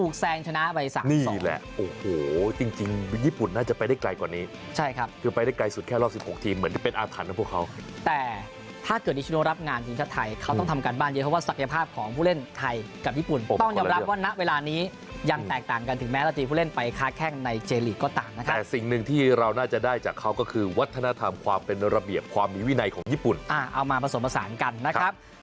ของผู้เล่นไทยกับญี่ปุ่นต้องยอมรับว่าณเวลานี้ยังแตกต่างกันถึงแม้เราจะมีผู้เล่นไปคลาดแค่งในเจริกก็ตามนะครับแต่สิ่งหนึ่งที่เราน่าจะได้จากเขาก็คือวัฒนธรรมความเป็นระเบียบความมีวินัยของญี่ปุ่นเอามาผสมศาลกันนะครับ